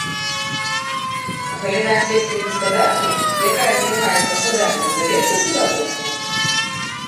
Галіна сельскай гаспадаркі, якая займаецца садамі, завецца садаводствам.